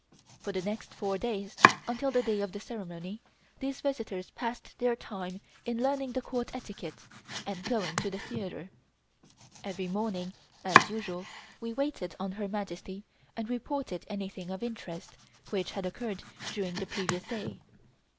For the next four days, until the day of the ceremony, these visitors passed their time in learning the Court etiquette and going to the theatre. Every morning, as usual, we waited on Her Majesty and reported anything of interest which had occurred during the previous day.